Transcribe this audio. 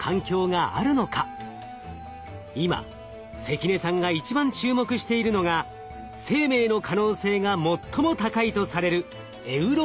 今関根さんが一番注目しているのが生命の可能性が最も高いとされるエウロパです。